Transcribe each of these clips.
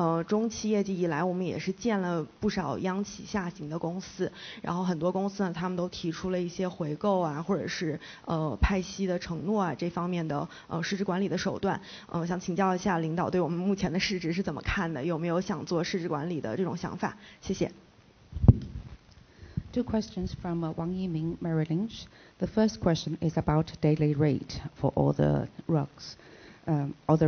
那我们中期业绩以来，我们也是见了不少央企下行的公司，然后很多公司呢，他们都提出了一些回购啊，或者是派息的承诺啊，这方面的市值管理的手段。想请教一下领导对我们目前的市值是怎么看的，有没有想做市值管理的这种想法？谢谢。Two questions from Wang Yiming, Merrill Lynch. The first question is about daily rate for all the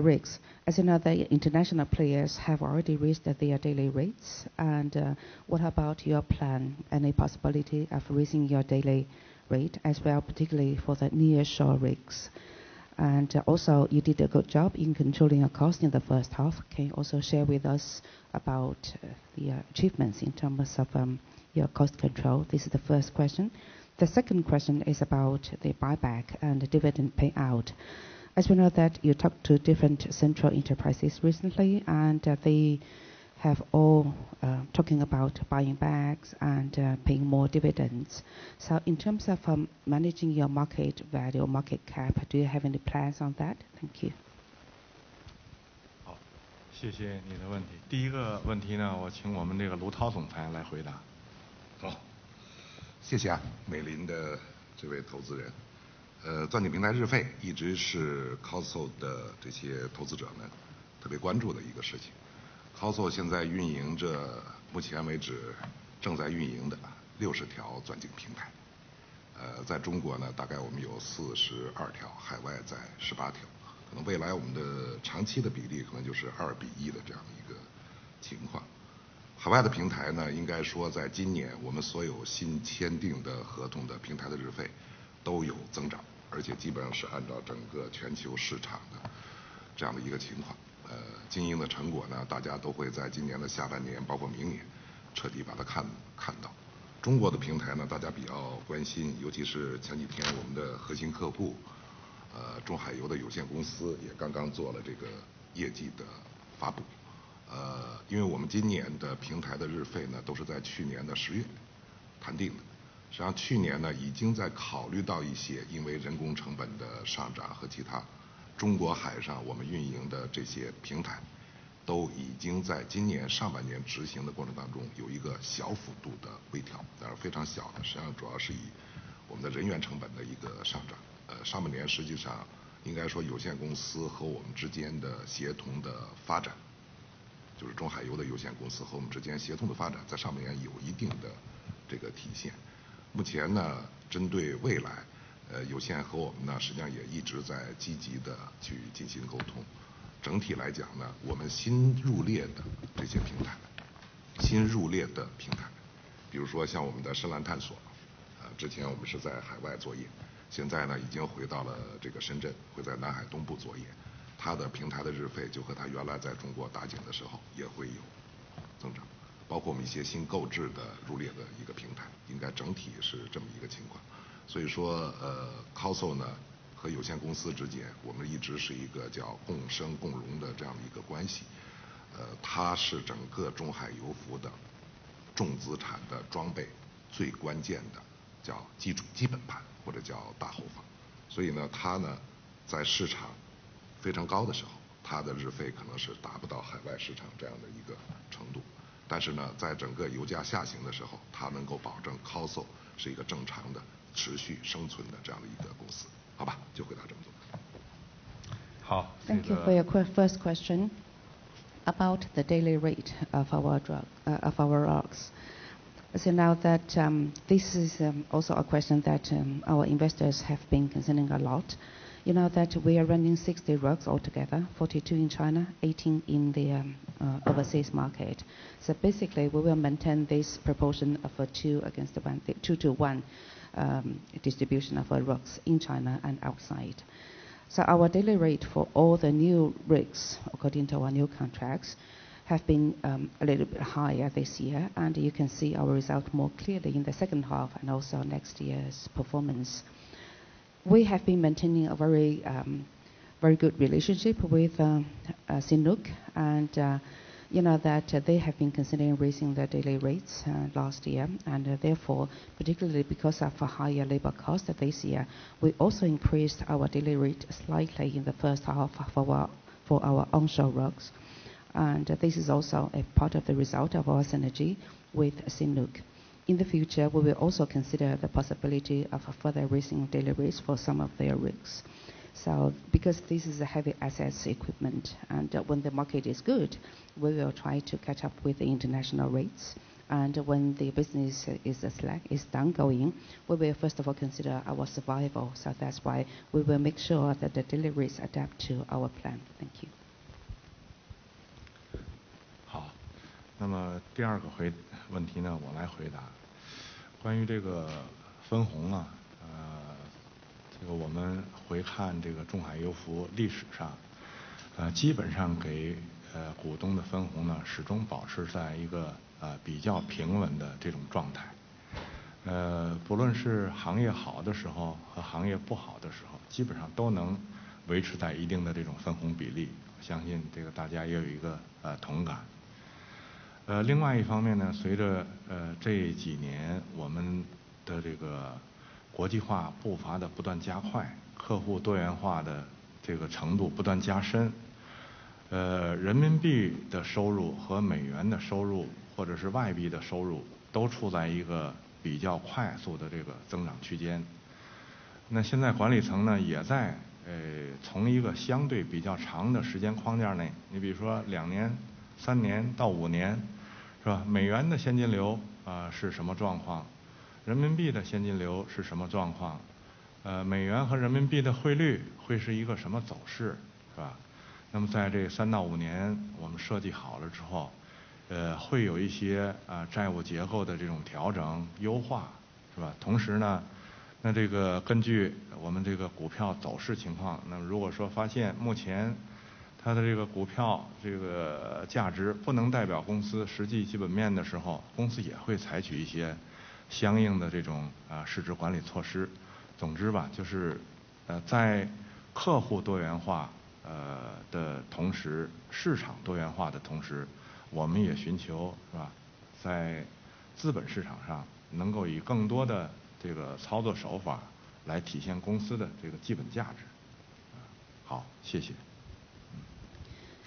rigs. As you know, the international players have already raised their daily rates. What about your plan and the possibility of raising your daily rate as well, particularly for the nearshore rigs? Also, you did a good job in controlling your cost in the first half. Can you also share with us about the achievements in terms of your cost control? This is the first question. The second question is about the buyback and dividend payout. As we know that you talk to different central enterprises recently, and they have all talking about buybacks and paying more dividends. So in terms of managing your market value or market cap, do you have any plans on that? Thank you. 谢谢你的问题。第一个问题呢，我请我们这个卢涛总裁来回答。好，谢谢美林的这位投资人。钻井平台日费一直是COSL的这些投资者特别关注的一个事情。COSL现在运营着目前为止正在运营的60条钻井平台，在中国大概我们有42条，海外在18条。可能未来我们的长期的比例可能就是2比1的这样一个情况。海外的平台呢，应该说在今年我们所有新签订的合同的平台的日费都有增长，而且基本上是按照整个全球市场的这样的一个情况。经营的成果呢，大家都会在今年的下半年，包括明年彻底把它看到。中国的平台呢，大家比较关心，尤其是前几天我们的核心客户，中海油的有限公司，也刚刚做了这个业绩的发布。因为我们今年的平台的日费呢，都是在去年的10月谈定的，实际上去年呢，已经在考虑到一些因为人工成本的上涨和其他中国海上我们运营的这些平台，都已经在今年上半年执行的过程当中有一个小幅度的微调，当然非常小的，实际上主要是以我们的人员成本的一个上涨。上半年实际上应该说有限公司和我们之间的协同的发展，就是中海油的有限公司和我们之间协同的发展，在上半年有一定的这个体现。目前呢，针对未来，有限公司和我们呢，实际上也一直在积极地去进行沟通。整体来讲呢,我们新入列的这些平台,新入列的平台,比如说像我们的深蓝探索,之前我们是在海外作业,现在呢,已经回到了深圳,会在南海东部作业,它的平台的日费就和它原来在中国打井的时候也会有增长,包括我们一些新购置的入列的一个平台,应该整体是这么一个情况。所以说，COSL和有限公司之间，我们一直是一个共生共荣的这样的一个关系。它是整个中海油服的重资产的装备最关键的基础基本盘，或者叫大后方。所以呢，它呢，在市场非常高的时候，它的日费可能是达不到海外市场这样的一个程度，但是呢，在整个油价下行的时候，它能够保证COSL是一个正常的持续生存的这样的一个公司。好吧，就回答这么多。好，谢谢。Thank you for your first question about the daily rate of our rigs. This is also a question that our investors have been considering a lot. You know that we are running 60 rigs altogether, 42 in China, 18 in the overseas market. Basically, we will maintain this proportion of two against one, two to one distribution of our rigs in China and outside. Our daily rate for all the new rigs according to our new contracts have been a little bit higher this year, and you can see our result more clearly in the second half and also next year's performance. We have been maintaining a very good relationship with CNOOC, and you know that they have been considering raising their daily rates last year, and therefore particularly because of higher labor cost this year, we also increased our daily rate slightly in the first half for our onshore rigs. This is also a part of the result of our synergy with CNOOC. In the future, we will also consider the possibility of further raising daily rates for some of their rigs. Because this is a heavy assets equipment, and when the market is good, we will try to catch up with the international rates. And when the business is slack, is down going, we will first of all consider our survival. That's why we will make sure that the daily rates adapt to our plan. Thank you. 好，那么第二个问题呢，我来回答。关于这个分红啊，这个我们回看这个中海油服历史上，基本上给股东的分红呢，始终保持在一个比较平稳的这种状态。不论是行业好的时候和行业不好的时候，基本上都能维持在一定的这种分红比例，相信这个大家也有一个同感。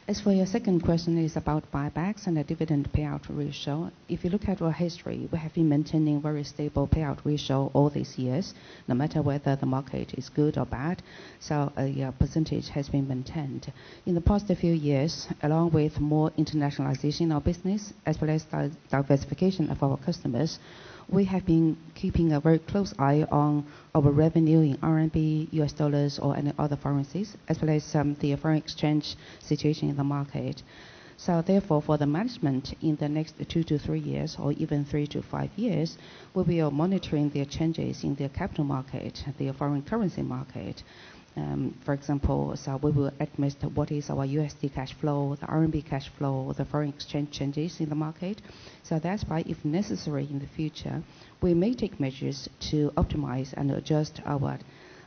As for your second question is about buybacks and the dividend payout ratio. If you look at our history, we have been maintaining very stable payout ratio all these years, no matter whether the market is good or bad. The percentage has been maintained. In the past few years, along with more internationalization of business, as well as the diversification of our customers, we have been keeping a very close eye on our revenue in RMB, US dollars, or any other currencies, as well as the foreign exchange situation in the market. Therefore, for the management in the next two to three years or even three to five years, we'll be monitoring the changes in the capital market, the foreign currency market. For example, we will admit what is our USD cash flow, the RMB cash flow, the foreign exchange changes in the market. That's why, if necessary, in the future, we may take measures to optimize and adjust our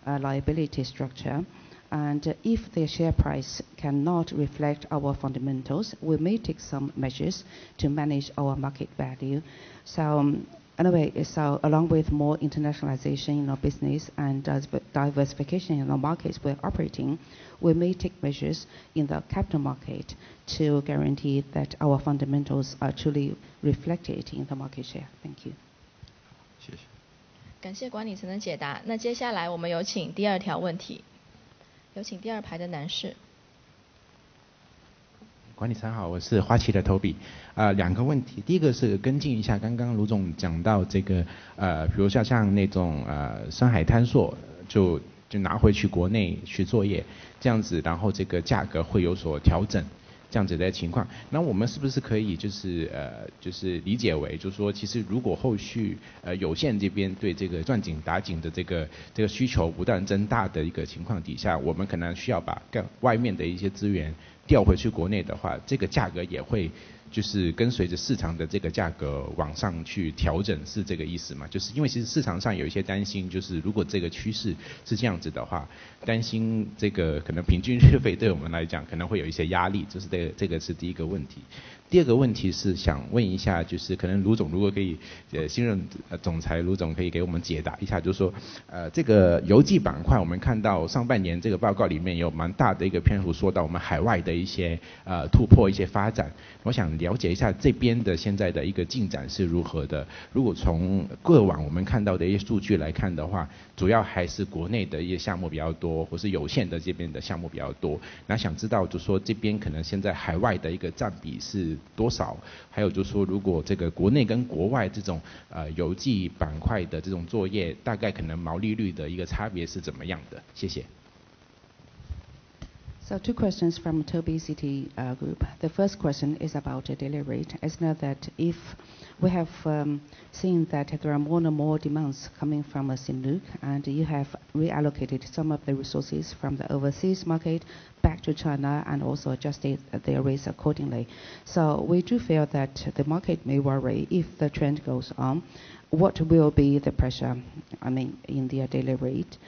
liability structure. If the share price cannot reflect our fundamentals, we may take some measures to manage our market value. Anyway, along with more internationalization of business and diversification in the markets we're operating, we may take measures in the capital market to guarantee that our fundamentals are truly reflected in the market share. Thank you. 谢谢。感谢管理层的解答，那接下来我们有请第二条问题。有请第二排的男士。管理层好，我是花旗的Toby。两个问题，第一个是跟进一下刚刚卢总讲到这个，比如像那种深海探索，就拿回去国内去做作业，这样子，然后这个价格会有所调整，这样子的情况，那我们是不是可以就是理解为就是说，其实如果后续有线这边对这个钻井打井的这个需求不断增大的一个情况底下，我们可能需要把更外面的一些资源调回去国内的话，这个价格也会就是跟随着市场的这个价格往上去调整，是这个意思吗？ 就是因为其实市场上有一些担心，就是如果这个趋势是这样子的话，担心这个可能平均收费对我们来讲可能会有一些压力，这是第一个问题。第二个问题是想问一下，就是可能卢总如果可以，新任总裁卢总可以给我们解答一下，就是说，这个油气板块，我们看到上半年这个报告里面有蛮大的一个篇幅说到我们海外的一些突破，一些发展，我想了解一下这边的现在的一个进展是如何的。如果从过往我们看到的一些数据来看的话，主要还是国内的一些项目比较多，或是有线的这边的项目比较多，那想知道就是说这边可能现在海外的一个占比是多少？还有就是说如果这个国内跟国外这种油气板块的这种作业，大概可能毛利率的一个差别是怎么样的？谢谢。Two questions from Toby, Citi Group. The first question is about the daily rate. Now that we have seen that there are more and more demands coming from CNOOC, and you have reallocated some of the resources from the overseas market back to China and also adjusted the rates accordingly. We do feel that the market may worry if the trend goes on, what will be the pressure in the daily rate?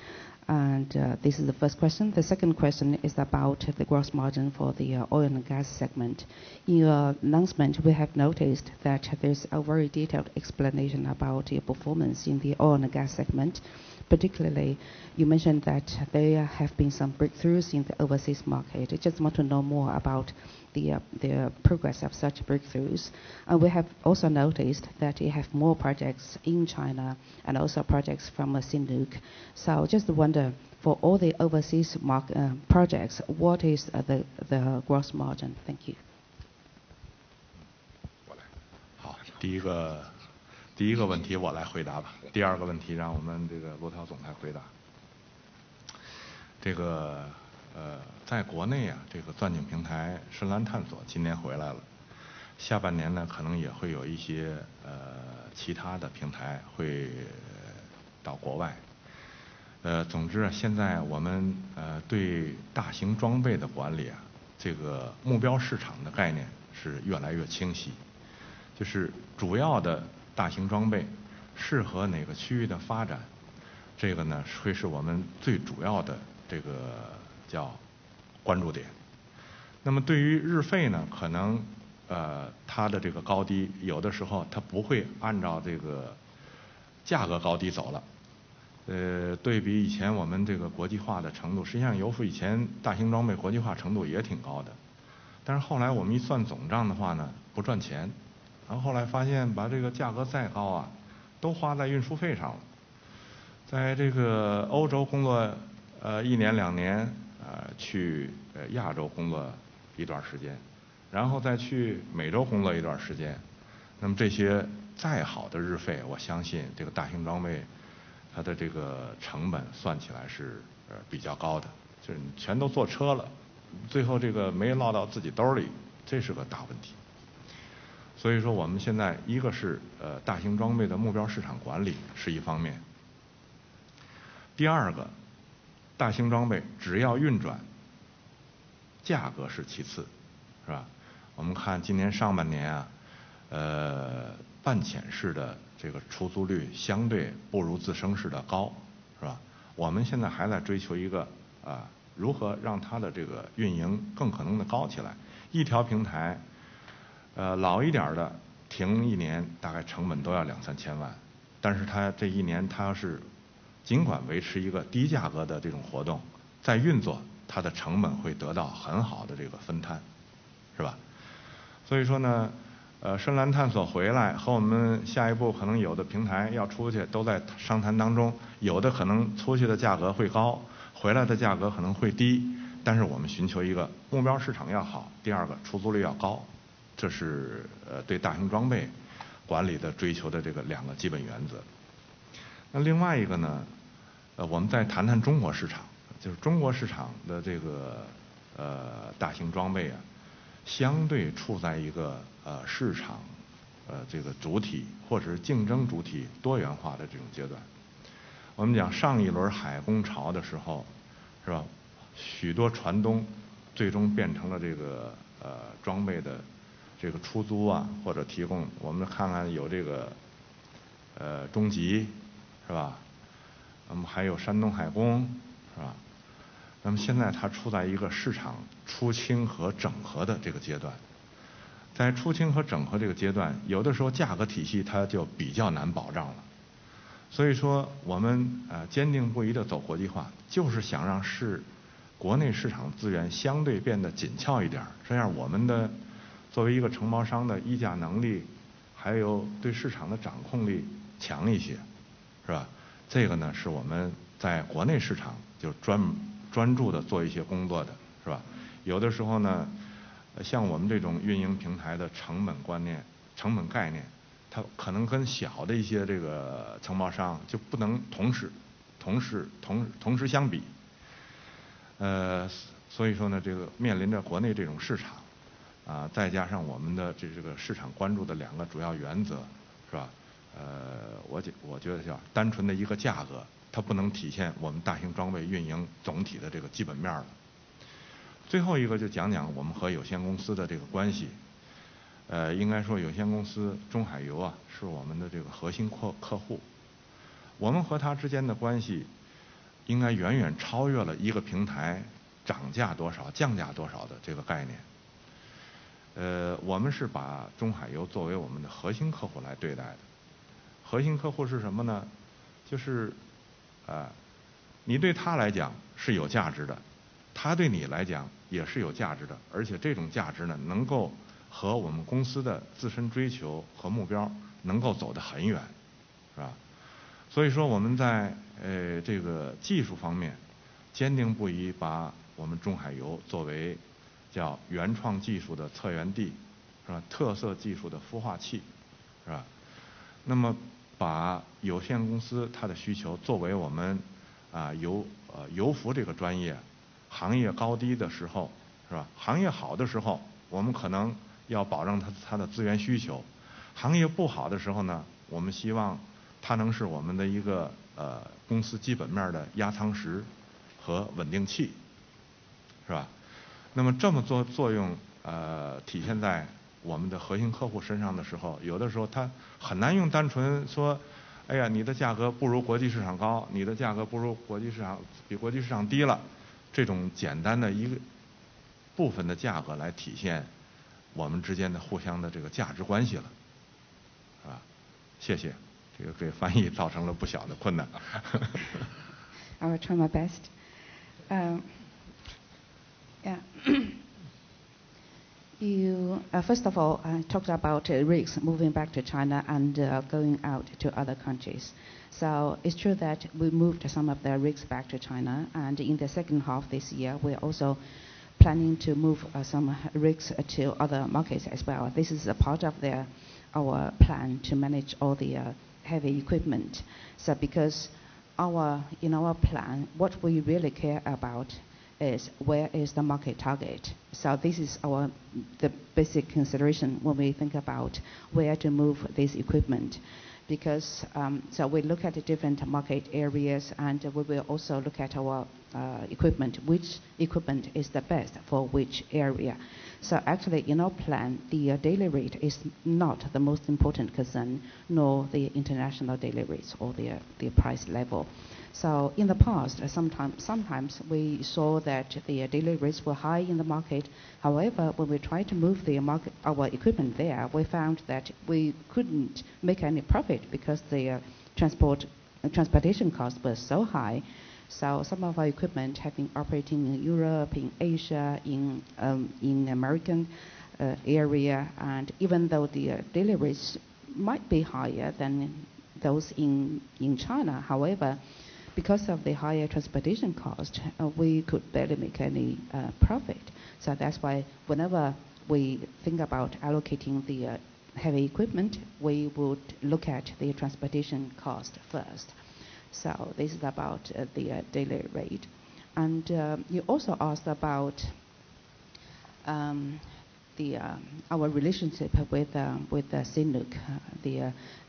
And this is the first question. The second question is about the gross margin for the oil and gas segment. In your announcement, we have noticed that there's a very detailed explanation about your performance in the oil and gas segment. Particularly, you mentioned that there have been some breakthroughs in the overseas market. I just want to know more about the progress of such breakthroughs. And we have also noticed that you have more projects in China and also projects from CNOOC. Just wonder, for all the overseas projects, what is the gross margin? Thank you. 那么这么做作用，体现在我们的核心客户身上的时候，有的时候他很难用单纯说，哎呀，你的价格不如国际市场高，你的价格不如国际市场，比国际市场低了，这种简单的一个部分的价格来体现我们之间的互相的这个价值关系了，是吧？谢谢。这个给翻译造成了不小的困难。I will try my best. Yeah. First of all, I talked about rigs moving back to China and going out to other countries. So it's true that we moved some of the rigs back to China, and in the second half this year, we are also planning to move some rigs to other markets as well. This is a part of our plan to manage all the heavy equipment. Because in our plan, what we really care about is where is the market target. So this is our basic consideration when we think about where to move this equipment. We look at the different market areas and we will also look at our equipment, which equipment is the best for which area. Actually in our plan, the daily rate is not the most important concern, nor the international daily rates or the price level. In the past, sometimes we saw that the daily rates were high in the market. However, when we tried to move our equipment there, we found that we couldn't make any profit because the transportation costs were so high. Some of our equipment have been operating in Europe, in Asia, in American area. And even though the daily rates might be higher than those in China, however, because of the higher transportation cost, we could barely make any profit. That's why whenever we think about allocating the heavy equipment, we would look at the transportation cost first. This is about the daily rate. You also asked about our relationship with CNOOC.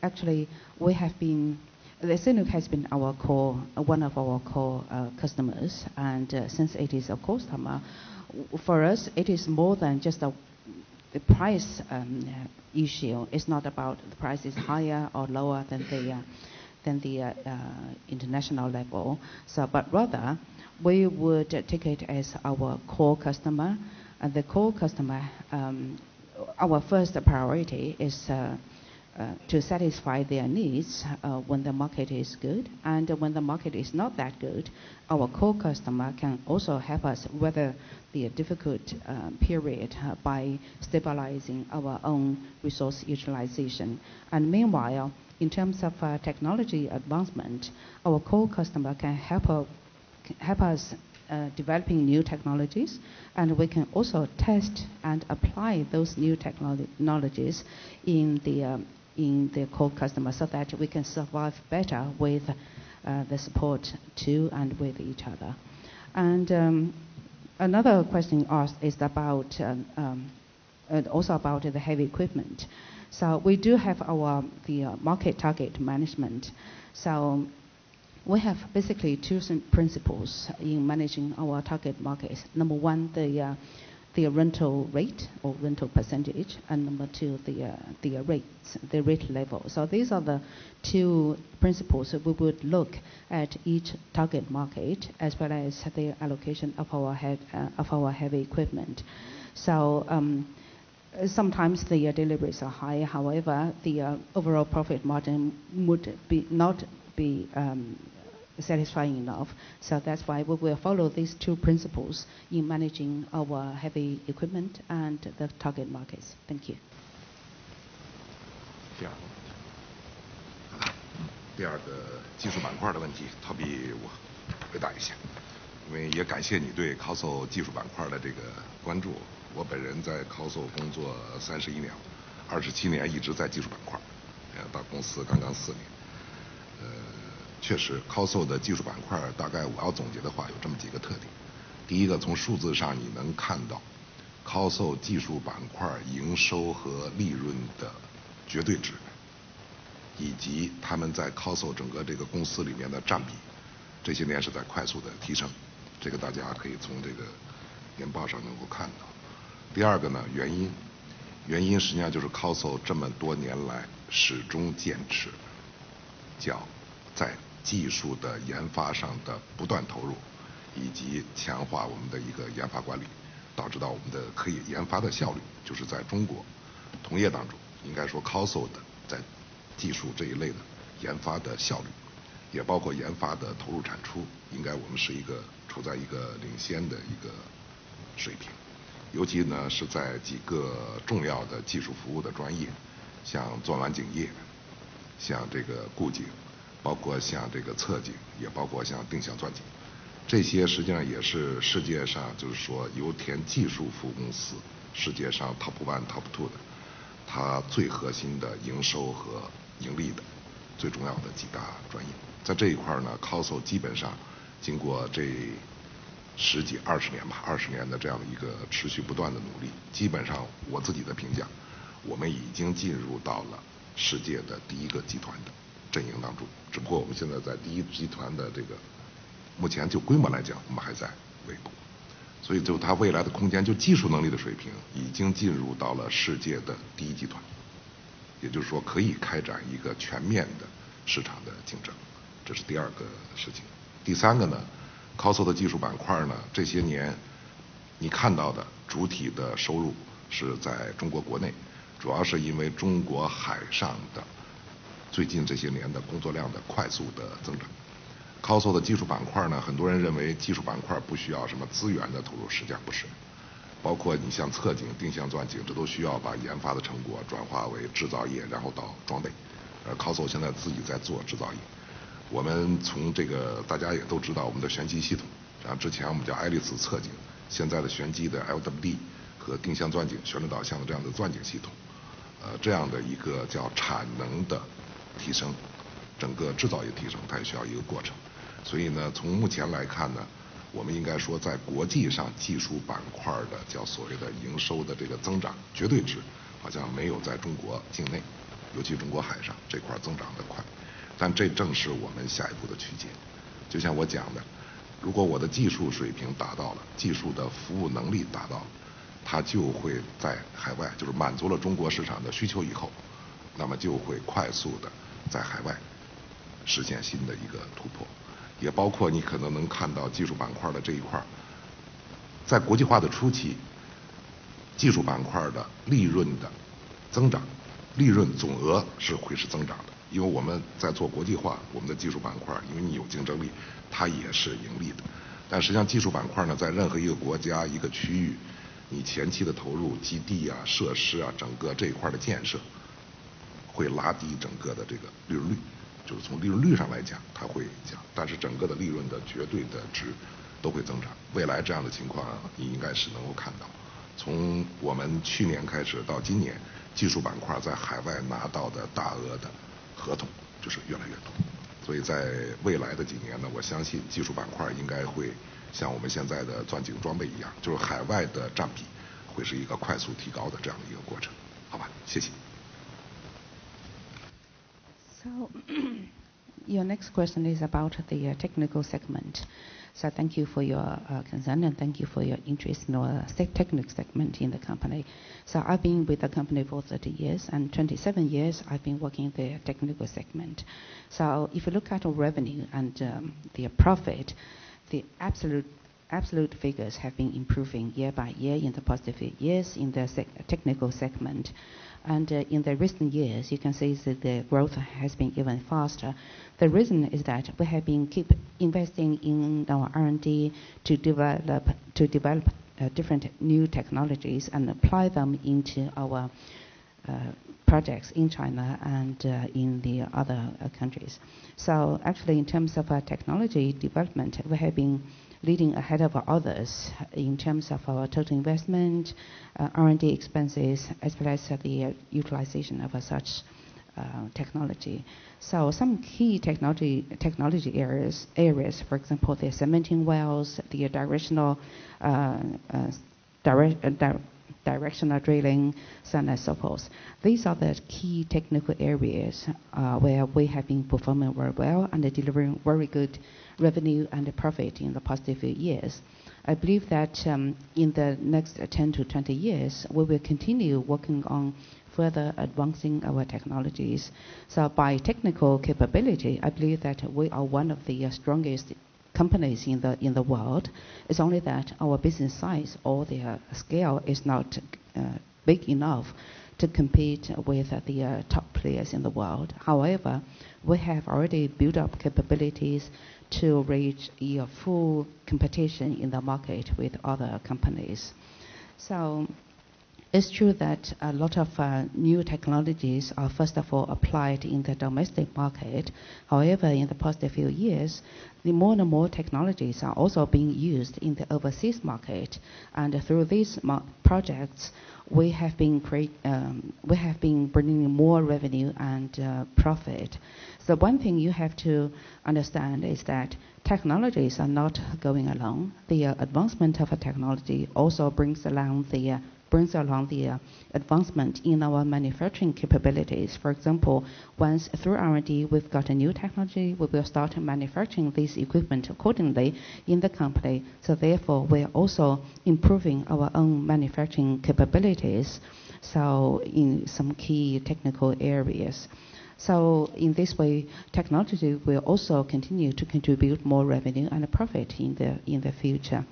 Actually we have been, the CNOOC has been our core, one of our core customers. Since it is a core customer for us, it is more than just the price. It's not about the price is higher or lower than the international level. Rather we would take it as our core customer, and the core customer, our first priority is to satisfy their needs when the market is good, and when the market is not that good, our core customer can also help us weather a difficult period by stabilizing our own resource utilization. Meanwhile, in terms of technology advancement, our core customer can help us developing new technologies, and we can also test and apply those new technologies in the core customer, so that we can survive better with the support to and with each other. Another question asked is about also about the heavy equipment. We do have our market target management. We have basically two principles in managing our target markets. Number one, the rental rate or rental percentage, and number two, the rate level. These are the two principles we would look at each target market as well as the allocation of our heavy equipment. Sometimes the daily rates are high, however, the overall profit margin would not be satisfying enough. That's why we will follow these two principles in managing our heavy equipment and the target markets. Thank you. one、top two的，它最核心的营收和盈利最重要的几大专业。Your next question is about the technical segment. Thank you for your concern and thank you for your interest in our technical segment in the company. I've been with the company for 30 years, and 27 years I've been working in the technical segment. If you look at our revenue and the profit, the absolute figures have been improving year by year in the past few years in the technical segment, and in the recent years, you can see that the growth has been even faster. The reason is that we have been keep investing in our R&D to develop different new technologies and apply them into our projects in China and in the other countries. Actually, in terms of our technology development, we have been leading ahead of others in terms of our total investment, R&D expenses, as well as the utilization of such technology. Some key technology areas, for example, the cementing wells, the directional drilling, sand and so forth. These are the key technical areas where we have been performing very well and delivering very good revenue and profit in the past few years. I believe that in the next 10 to 20 years, we will continue working on further advancing our technologies. By technical capability, I believe that we are one of the strongest companies in the world. It's only that our business size or the scale is not big enough to compete with the top players in the world. However, we have already built up capabilities to reach a full competition in the market with other companies. It's true that a lot of new technologies are, first of all, applied in the domestic market. However, in the past few years, the more and more technologies are also being used in the overseas market, and through these projects, we have been bringing in more revenue and profit. One thing you have to understand is that technologies are not going alone. The advancement of a technology also brings along the advancement in our manufacturing capabilities. For example, once through R&D, we've got a new technology, we will start manufacturing this equipment accordingly in the company. Therefore, we're also improving our own manufacturing capabilities in some key technical areas. In this way, technology will also continue to contribute more revenue and profit in the future.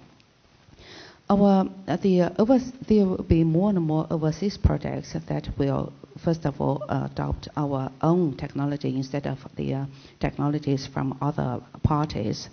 There will be more and more overseas projects that will first of all adopt our own technology instead of the technologies from other parties.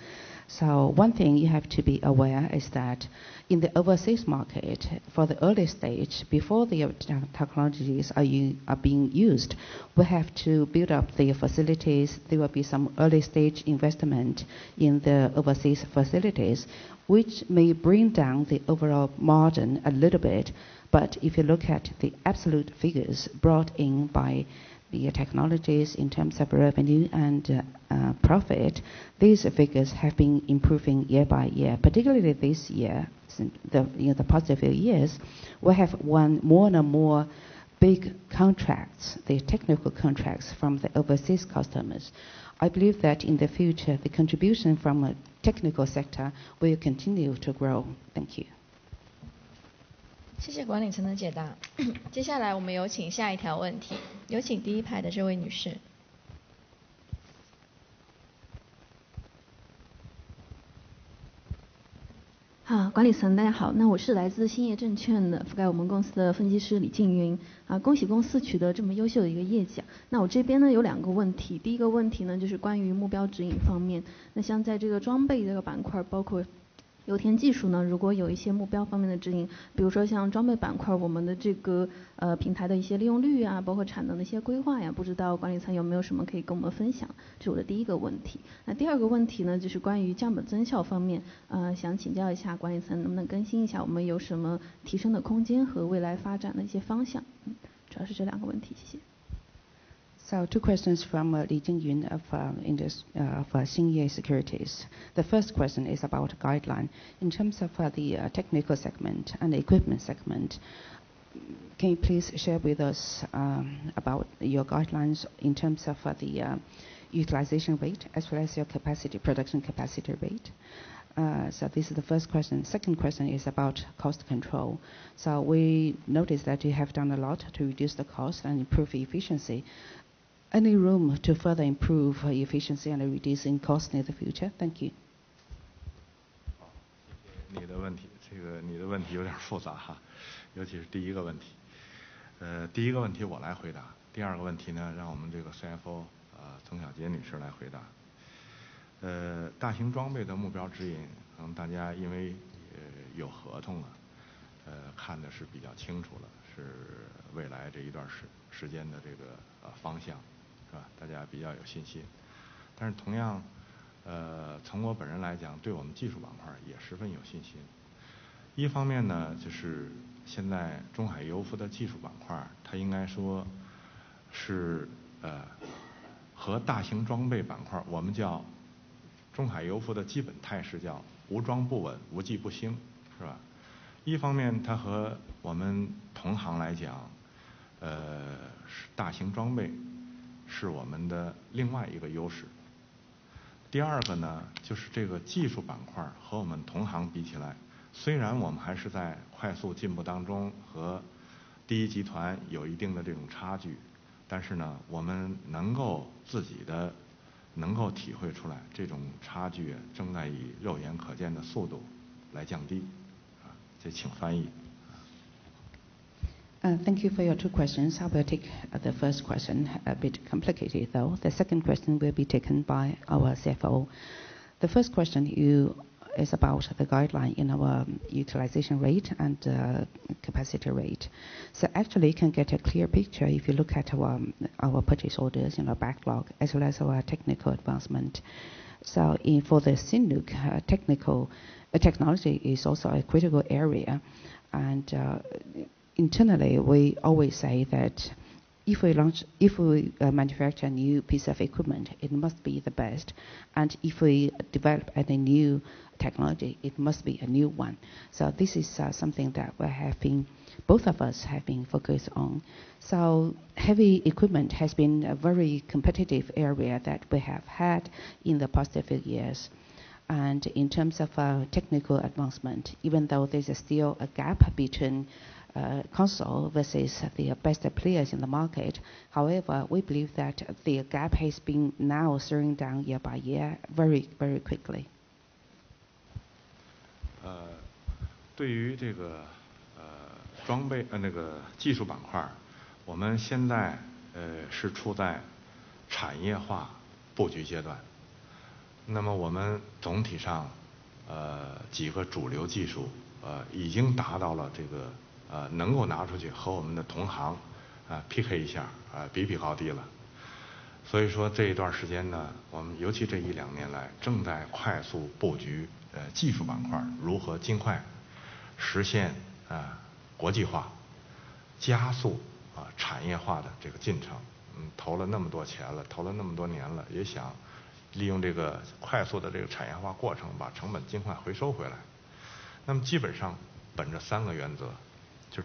One thing you have to be aware is that in the overseas market, for the early stage, before the technologies are being used, we have to build up the facilities. There will be some early-stage investment in the overseas facilities, which may bring down the overall margin a little bit. But if you look at the absolute figures brought in by the technologies in terms of revenue and profit, these figures have been improving year by year, particularly this year. Since the past few years, we have won more and more big contracts, the technical contracts from the overseas customers. I believe that in the future, the contribution from a technical sector will continue to grow. Thank you. 谢谢管理层的解答。接下来我们有请下一条问题，有请第一排的这位女士。Two questions from Li Jingyun of Xingye Securities. The first question is about guideline. In terms of the technical segment and the equipment segment, can you please share with us about your guidelines in terms of the utilization rate as well as your capacity, production capacity rate? This is the first question. Second question is about cost control. We noticed that you have done a lot to reduce the cost and improve efficiency. Any room to further improve efficiency and reducing costs in the future? Thank you. 好，谢谢你的问题。这个你的问题有点复杂哈，尤其是第一个问题。第一个问题我来回答，第二个问题呢，让我们这个CFO，宗小洁女士来回答。大型装备的目标指引，大家因为有合同了，看的是比较清楚了，是未来这一段时间的这个方向，是吧？大家比较有信心。Thank you for your two questions. I will take the first question, a bit complicated though. The second question will be taken by our CFO. The first question is about the guideline in our utilization rate and capacity rate. Actually, you can get a clear picture if you look at our purchase orders in our backlog as well as our technical advancement. For the technical, technology is also a critical area. Internally, we always say that if we launch, if we manufacture a new piece of equipment, it must be the best. If we develop any new technology, it must be a new one. This is something that we have been, both of us have been focused on. Heavy equipment has been a very competitive area that we have had in the past few years. In terms of our technical advancement, even though there is still a gap between console versus the best players in the market, however, we believe that the gap has been now narrowing down year by year very, very quickly. 对于这个装备技术板块，我们现在是处在产业化布局阶段，那么我们总体上几个主流技术已经达到了这个能够拿出去和我们的同行PK一下，比比高低了。所以说这一段时间呢，我们尤其这一两年来，正在快速布局技术板块，如何尽快实现国际化，加速产业化的这个进程。投了那么多钱了，投了那么多年了，也想利用这个快速的这个产业化过程，把成本尽快回收回来。那么基本上本着三个原则，就是第一个市场多元，从国内大面积的成功的基础上，我们开始如何把它推广到国际市场。第二个叫客户优质。在以前我们技术板块出国的，相对来讲，小客户多一些，当然说客户之间没有高低贵贱哈，但是确实是小客户多一些，大客户少一些，低价值的合同多一些，高价值的合同少一些啊，这也是现状。所以说我们现在有一个叫客户优质。第三个就是合作多种，合作方式我们自己也行，互相之间在项目上合作也可以，建立合营公司也我们也是这个和同行有竞争实，有这个实力，市场实力的，市场控制力的，建立合资合营公司也是一种选择。所以说呢，利用这些方式，我们这两年不断地在国际上，实际上已经开始为技术板块的国际化预演了。那么另外一方面，在技术品牌的打造方面，我们也采用了多种方式，一方面就是和主要目标市场的地区国际性的展会，把我们的技术推出去，产生了一定的很好的效果。那么另外一方面呢，我们在主要地区也在设计我们的主要技术产品发布会，是吧？ 通过把我们的外籍雇员，了解客户需求的，了解自身技术特色的，能够把两个方向结合得比较好的国际雇员，资深的雇员，能够在中东、东南亚、北美，或者是北海，每三年到五年，轮回一个地方，开一次技术发布会，把我们的客户、合作伙伴、同行，也跟大家宣讲一下我们的技术发展这个历程和取得的这个成果。今年上半年应该说我们盯住了几个比较好的合同，都在产生突破，去年已经有突破了，那今年呢，我们希望这个突破更大点。总体上来讲呢，我们现在基本上有两个地区，一个是东南亚，还有一个是墨西哥，就是离开大型装备，我们技术板块也可以自身生存发展得比较好了。所以说呢，这是目前看到的这个现状，希望我们能把大型装备经营得很好。同样也希望在座的各位对我们把经营好技术板块也有一定的信心。好，谢谢。Your second part of question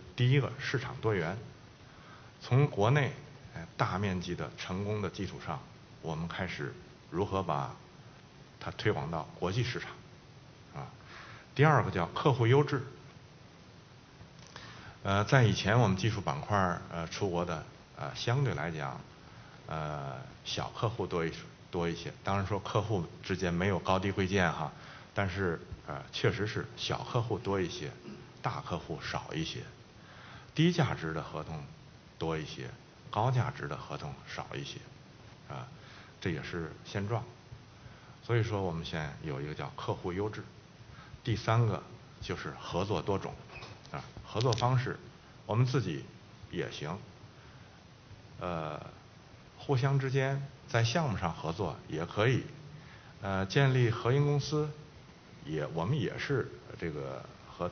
is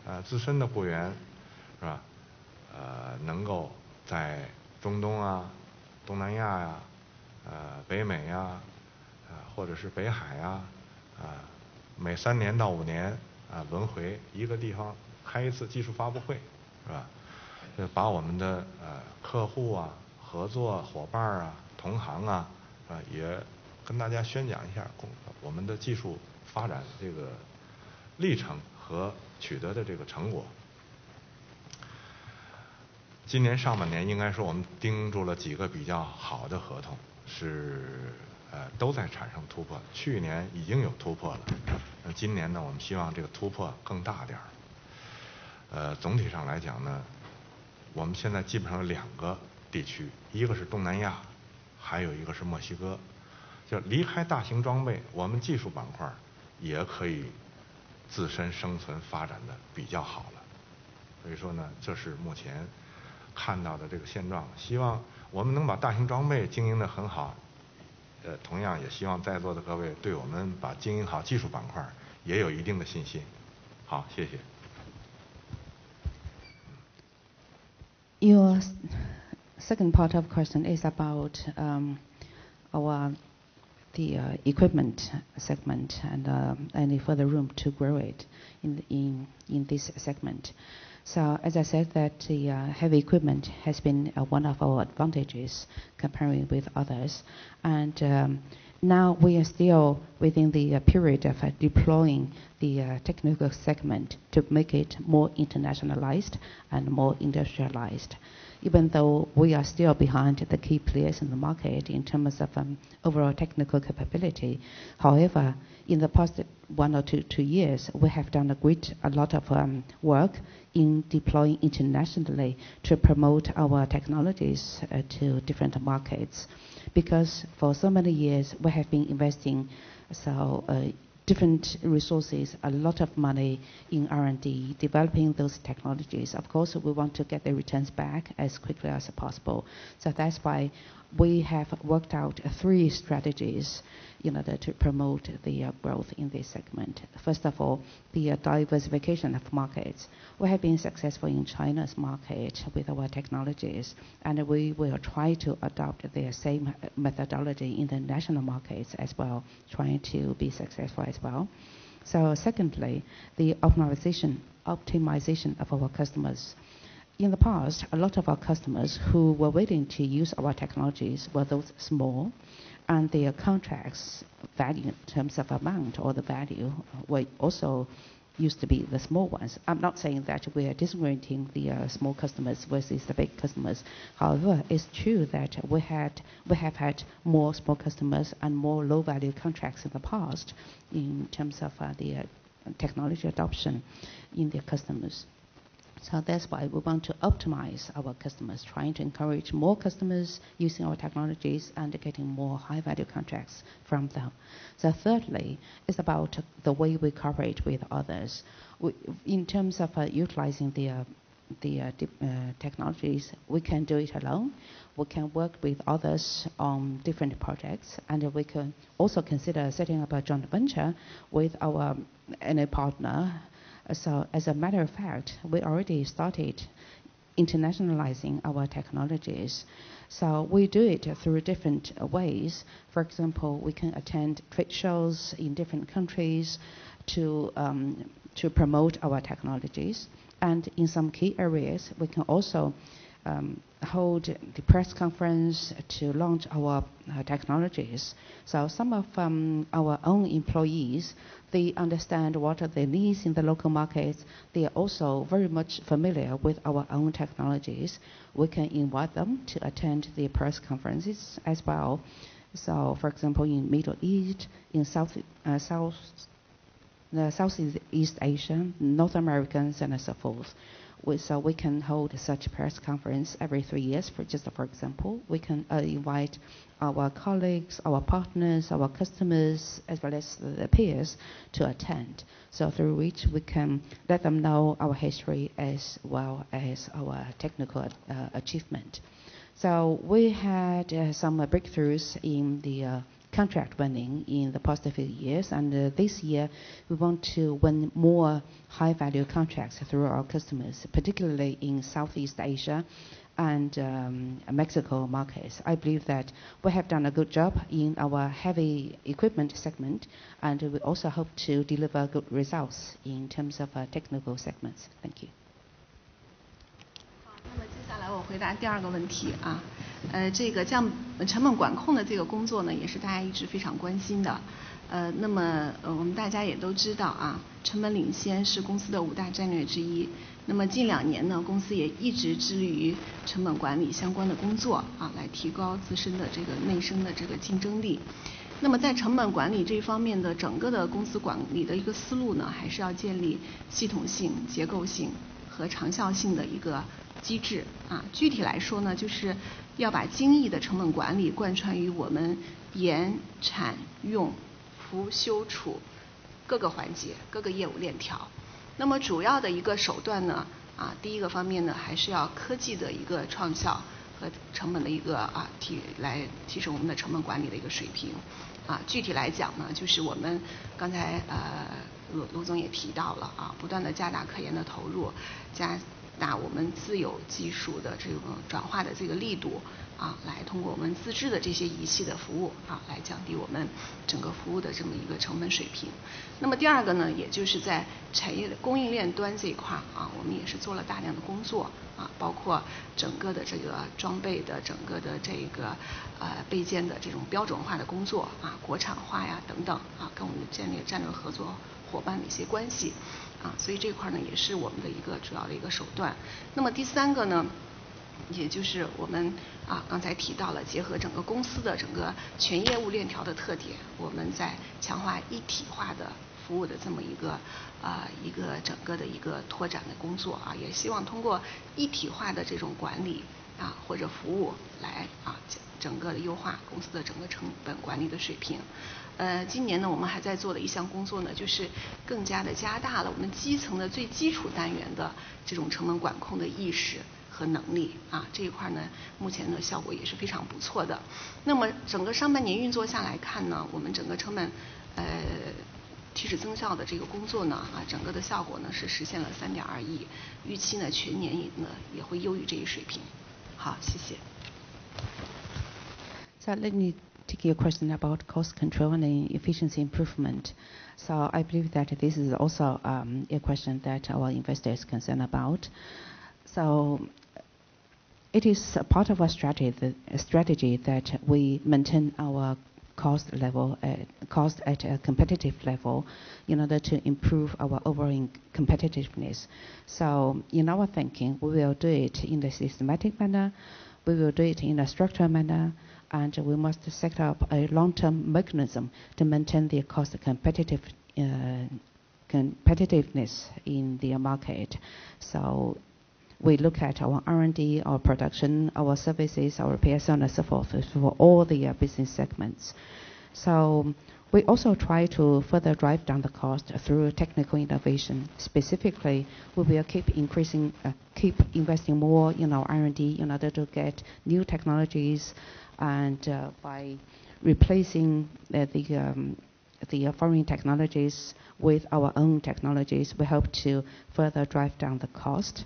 about our equipment segment and any further room to grow in this segment. As I said, the heavy equipment has been one of our advantages comparing with others, and now we are still within the period of deploying the technical segment to make it more internationalized and more industrialized. Even though we are still behind the key players in the market in terms of overall technical capability, however, in the past one or two years, we have done a lot of work in deploying internationally to promote our technologies to different markets, because for so many years we have been investing different resources, a lot of money in R&D, developing those technologies. Of course, we want to get the returns back as quickly as possible. That's why we have worked out three strategies in order to promote the growth in this segment. First of all, the diversification of markets. We have been successful in China's market with our technologies, and we will try to adopt the same methodology in the international markets as well, trying to be successful as well. Secondly, the optimization of our customers. In the past, a lot of our customers who were waiting to use our technologies were those small, and their contracts value in terms of amount or the value were also used to be the small ones. I'm not saying that we are disappointing the small customers versus the big customers. However, it's true that we have had more small customers and more low value contracts in the past in terms of the technology adoption in their customers. That's why we want to optimize our customers, trying to encourage more customers using our technologies and getting more high value contracts from them. Thirdly, is about the way we cooperate with others. In terms of utilizing the technologies, we can do it alone. We can work with others on different projects, and we can also consider setting up a joint venture with any partner. As a matter of fact, we already started internationalizing our technologies, so we do it through different ways. For example, we can attend trade shows in different countries to promote our technologies, and in some key areas, we can also hold the press conference to launch our technologies. Some of our own employees, they understand what are the needs in the local markets. They are also very much familiar with our own technologies. We can invite them to attend the press conferences as well. For example, in Middle East, in South, Southeast Asia, North Americans and so forth, we can hold such a press conference every three years. For example, we can invite our colleagues, our partners, our customers, as well as their peers to attend. Through which we can let them know our history as well as our technical achievement. We had some breakthroughs in the contract winning in the past few years, and this year we want to win more high value contracts through our customers, particularly in Southeast Asia and Mexico markets. I believe that we have done a good job in our heavy equipment segment, and we also hope to deliver good results in terms of technical segments. Thank you. 今年呢，我们还在做的一项工作呢，就是更加地加大了我们基层的最基础单元的这种成本管控的意识和能力，这一块呢，目前的效果也是非常不错的。那么整个上半年运作下来看呢，我们整个成本增效的这个工作呢，整个的效果呢，是实现了¥3.2亿，预期呢，全年呢，也会优于这一水平。好，谢谢。Let me take your question about cost control and efficiency improvement. I believe that this is also a question that our investors are concerned about. It is a part of our strategy, the strategy that we maintain our cost level at a competitive level in order to improve our overall competitiveness. In our thinking, we will do it in a systematic manner, we will do it in a structural manner, and we must set up a long-term mechanism to maintain the cost competitiveness in the market. We look at our R&D, our production, our services, our PS and so forth, for all the business segments. We also try to further drive down the cost through technical innovation. Specifically, we will keep increasing, keep investing more in our R&D in order to get new technologies, and by replacing the foreign technologies with our own technologies, we hope to further drive down the cost.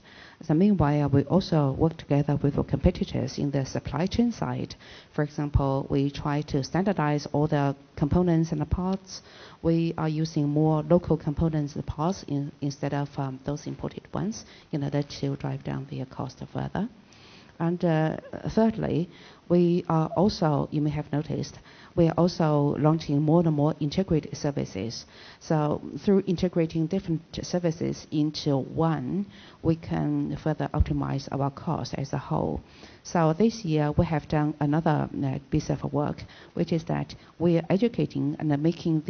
Meanwhile, we also work together with our competitors in the supply chain side. For example, we try to standardize all the components and the parts. We are using more local components and parts instead of those imported ones in order to drive down the cost further. Thirdly, we are also, you may have noticed, we are also launching more and more integrated services, so through integrating different services into one, we can further optimize our cost as a whole. This year, we have done another piece of work, which is that we are educating and making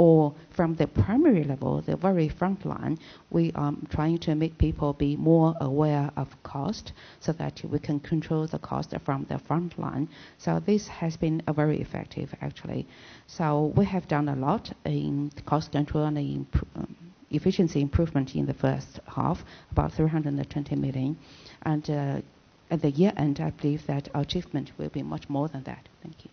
the, or from the primary level, the very front line, we are trying to make people be more aware of cost so that we can control the cost from the front line. This has been very effective, actually. We have done a lot in cost control and efficiency improvement in the first half, about $320 million. At the year-end, I believe that our achievement will be much more than that. Thank you.